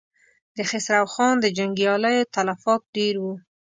د خسرو خان د جنګياليو تلفات ډېر و.